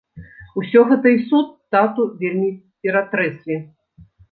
Усё гэта і суд тату вельмі ператрэслі.